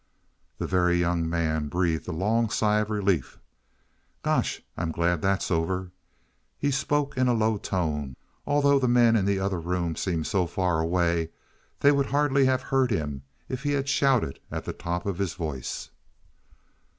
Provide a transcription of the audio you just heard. The Very Young Man breathed a long sigh of relief. "Gosh, I'm glad that's over." He spoke in a low tone, although the men in the other room seemed so far away they would hardly have heard him if he had shouted at the top of his voice.